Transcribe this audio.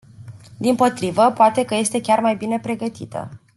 Dimpotrivă, poate că este chiar mai bine pregătită.